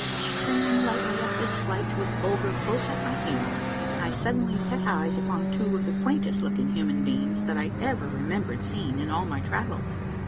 Springing lightly up this flight with Bulger close at my heels, I suddenly set eyes upon two of the quaintest looking human beings that I ever remembered seeing in all my travels.